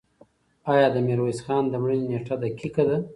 آیا د میرویس خان د مړینې نېټه دقیقه ده؟